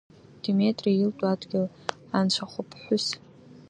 Деметре илтәу адгьыл анцәахәыԥҳәыс.